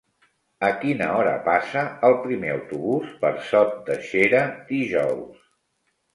A quina hora passa el primer autobús per Sot de Xera dijous?